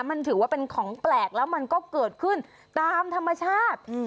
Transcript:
มันถือว่าเป็นของแปลกแล้วมันก็เกิดขึ้นตามธรรมชาติ